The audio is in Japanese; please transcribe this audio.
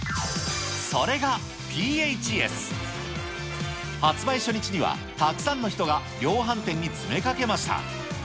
それがＰＨＳ。発売初日には、たくさんの人が量販店に詰めかけました。